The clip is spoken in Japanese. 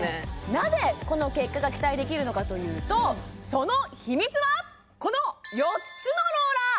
なぜこの結果が期待できるのかというとその秘密はこの４つのローラー